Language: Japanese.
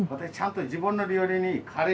ちゃんと自分の料理に。